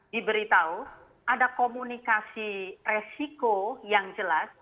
diberitahu ada komunikasi resiko yang jelas